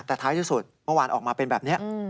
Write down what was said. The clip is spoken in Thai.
แต่ท้ายที่สุดเมื่อวานออกมาเป็นแบบนี้